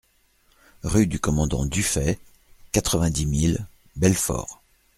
Rue du Commandant Dufay, quatre-vingt-dix mille Belfort